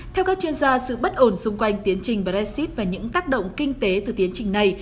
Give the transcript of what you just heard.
theo các chuyên gia sự bất ổn xung quanh tiến trình brexit và những tác động kinh tế từ tiến trình này